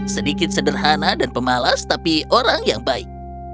sedikit sederhana dan pemalas tapi orang yang baik